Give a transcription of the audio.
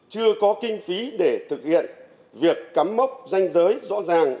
chưa có kinh phí để thực hiện việc cắm mốc danh giới rõ ràng